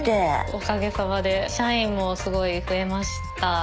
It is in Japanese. おかげさまで社員もすごい増えました。